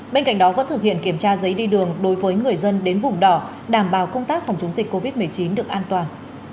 bên cạnh đó vẫn thực hiện kiểm tra giấy đi đường đối với người dân đến vùng đỏ đảm bảo công tác phòng chống dịch covid một mươi chín được an toàn